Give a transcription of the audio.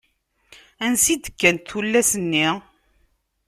Ansa i d-kkant tullas-nni?